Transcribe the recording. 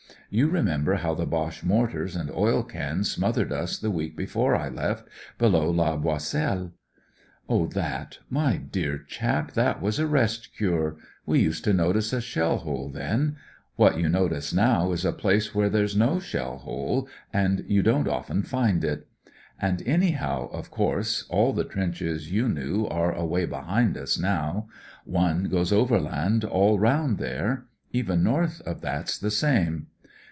You remember how the Boche mortars and oil cans smothered us the week before I left, below La Boiselle ?"" Oh, that I My dear chap, that was a rest cure. We used to notice a shell hole then. What you notice now is a place where there's no shell hole, and THE DIFFERENCE 198 you don't often find it. And anyhow, of course, aU the trenches you knew are away behind us now. One goes over land all round there. Even north of that's the same.